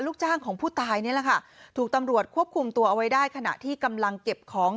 ลูกจ้างของผู้ตายนี่แหละค่ะถูกตำรวจควบคุมตัวเอาไว้ได้ขณะที่กำลังเก็บของ